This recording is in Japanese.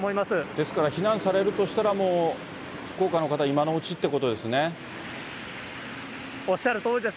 ですから、避難されるとしたら、もう福岡の方、今のうちといおっしゃるとおりです。